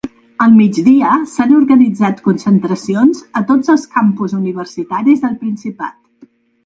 Al migdia s’han organitzat concentracions a tots els campus universitaris del Principat.